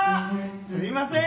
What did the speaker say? すみません